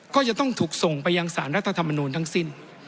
ก็จะต้องถูกส่งไปยังสารรัฐธรรมนูลทั้งสิ้น